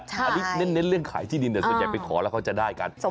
อันนี้เน้นเรื่องขายที่ดินแต่ส่วนใหญ่ไปขอแล้วเขาจะได้กัน